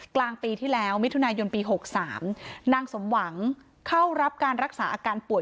กลางปีที่แล้วมิถุนายนปี๖๓นางสมหวังเข้ารับการรักษาอาการป่วย